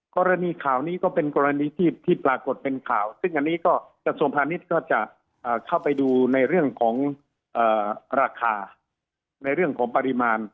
กรณีข่าวนี้ก็เป็นกรณีที่ปรากฏเป็นข่าวซึ่งอันนี้ก็กระทรวงพาณิชย์ก็จะเข้าไปดูในเรื่องของราคาในเรื่องของปริมาณ